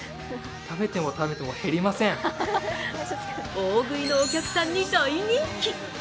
大食いのお客さんに大人気。